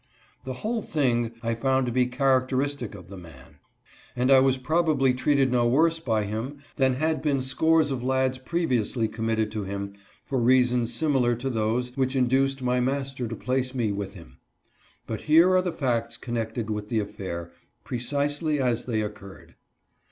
The whole thing I found to LEARNING A NEW LANGUAGE. 143 be characteristic of the man, and I was probably treated no worse by him than had been scores of lads pre viously committed to him for reasons similar to those which induced my master to place me with him. But here are the facts connected with the affair, precisely as they occurred.